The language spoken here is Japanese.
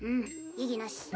異議なし。